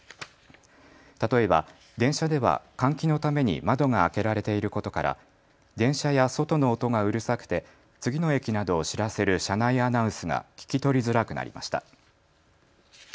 例えば電車では換気のために窓が開けられていることから電車や外の音がうるさくて次の駅などを知らせる車内アナウンスが聞き取りづらくなりました。